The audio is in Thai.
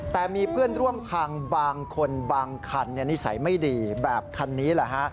แต่มีเพื่อนร่วมทางบางคนบางคันนิสัยไม่ดีแบบคันนี้แหละฮะ